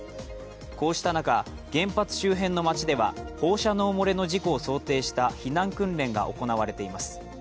こうした中、原発周辺の町では放射能漏れの事故を想定した避難訓練が行われています。